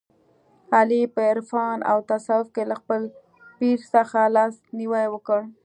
علي په عرفان او تصوف کې له خپل پیر څخه لاس نیوی وکړ.